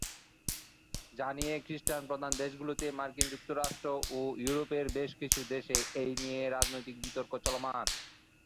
যা নিয়ে খ্রিস্টান প্রধান দেশগুলোতে, মার্কিন যুক্তরাষ্ট্র ও ইউরোপের বেশ কিছু দেশে এই নিয়ে রাজনৈতিক বিতর্ক চলমান।